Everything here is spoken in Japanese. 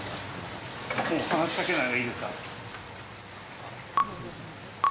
もう話しかけないほうがいいですか？